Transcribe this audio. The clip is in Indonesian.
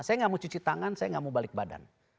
saya nggak mau cuci tangan saya nggak mau balik badan